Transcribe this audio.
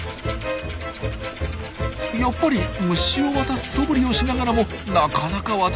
やっぱり虫を渡すそぶりをしながらもなかなか渡しません。